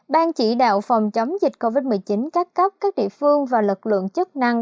ban chỉ đạo phòng chống dịch covid một mươi chín các cấp các địa phương và lực lượng chức năng